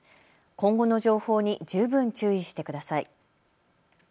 今後の情報に十分注意してください。